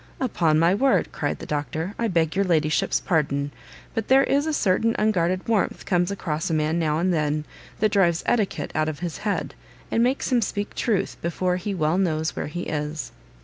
"Upon my word," cried the Doctor, "I beg your ladyship's pardon; but there is a certain unguarded warmth comes across a man now and then, that drives etiquette out of his head, and makes him speak truth before he well knows where he is."